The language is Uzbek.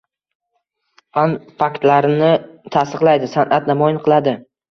Fan — faktlarni tasdiqlaydi, san’at namoyon qiladi.